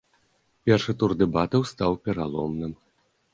Першы тур дэбатаў стаў пераломным.